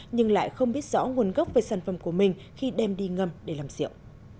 nhưng lại không biết rõ nguồn gốc về sản phẩm của mình khi đem đi ngâm để làm rượu